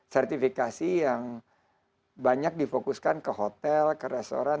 sertifikasi yang banyak difokuskan ke hotel ke restoran